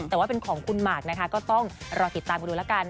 แต่ว่าเป็นของคุณหมากนะคะก็ต้องรอติดตามกันดูแล้วกัน